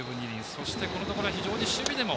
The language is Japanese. そしてこのところは非常に守備でも。